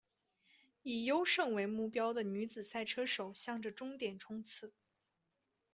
以优胜为目标的女子赛车手向着终点冲刺！